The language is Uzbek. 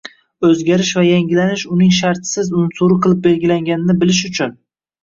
– o‘zgarish va yangilanish uning shartsiz unsuri qilib belgilanganini bilish uchun